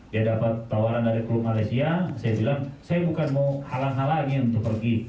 dia dapat tawaran dari klub malaysia saya bilang saya bukan mau halang halangin untuk pergi